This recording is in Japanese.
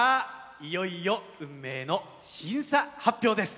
いよいよ運命の審査発表です。